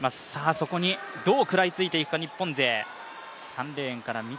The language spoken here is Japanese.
そこにどう食らいついていくか日本勢。